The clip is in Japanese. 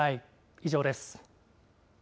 以上です。